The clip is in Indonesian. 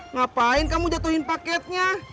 ngapain kamu jatuhin paketnya